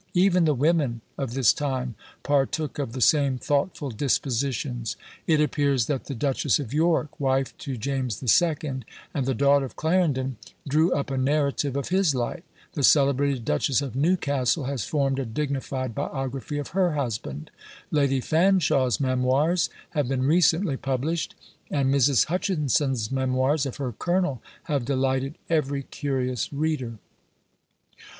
Even the women of this time partook of the same thoughtful dispositions. It appears that the Duchess of York, wife to James the Second, and the daughter of Clarendon, drew up a narrative of his life; the celebrated Duchess of Newcastle has formed a dignified biography of her husband; Lady Fanshaw's Memoirs have been recently published; and Mrs. Hutchinson's Memoirs of her Colonel have delighted every curious reader.